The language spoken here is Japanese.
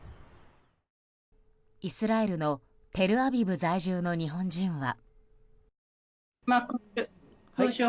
イスラエルのテルアビブ在住の日本人は。